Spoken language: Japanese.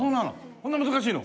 そんなに難しいの？